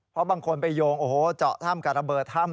เพราะบางคนไปโยงโอ้โหเจาะถ้ำกับระเบิดถ้ำ